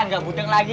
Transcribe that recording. gak budek lagi